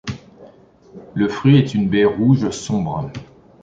Le fruit est une baie rouge sombre.